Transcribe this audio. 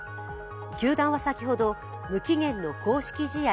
球団は先ほど、無期限の公式試合